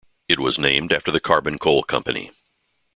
It was named after the Carbon Coal Company.